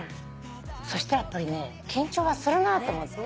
そしたらやっぱりね緊張はするなと思って。